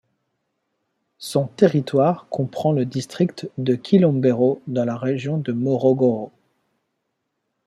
Son territoire comprend le district de Kilombero dans la région de Morogoro.